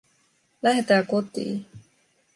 Lähetää kotii!"